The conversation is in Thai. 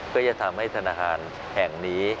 ก็จะทำให้ธนาคารแห่งนี้